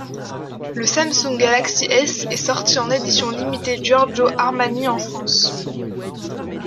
Le Samsung Galaxy S est sorti en édition limitée Giorgio Armani en France.